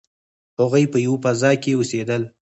هغوی په یوه فضا کې اوسیدل.